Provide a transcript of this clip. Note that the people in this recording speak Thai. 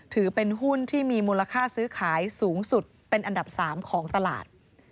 ถือเป็นหุ้นที่มีมูลค่าซื้อขายสูงสุดเป็นอันดับ๓ของตลาด